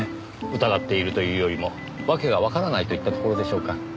疑っているというよりも訳がわからないといったところでしょうか。